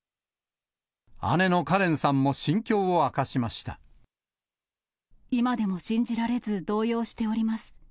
姉のカレンさんも心境を明か今でも信じられず、動揺しております。